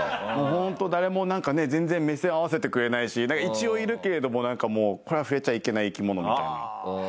ホント誰もなんかね全然目線合わせてくれないし一応いるけれどもなんかもうこれは触れちゃいけない生き物みたいな扱いをされてました。